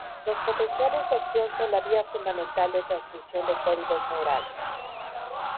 Los potenciales de acción son la vía fundamental de transmisión de códigos neurales.